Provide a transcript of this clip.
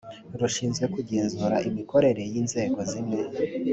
rushinzwe kugenzura imikorere y inzego zimwe